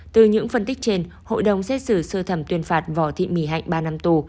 từ những phân tích trên hội đồng xét xử sơ thẩm tuyên phạt võ thị mỹ hạnh ba năm tù